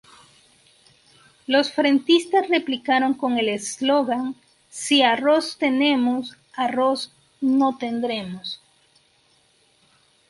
Los frentistas replicaron con el slogan "si a Ross tenemos, arroz no tendremos".